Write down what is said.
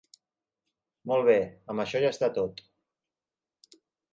Molt bé, amb això ja està tot.